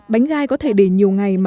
bánh gai có thể để nhiều ngày mà